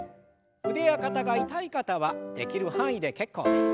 腕や肩が痛い方はできる範囲で結構です。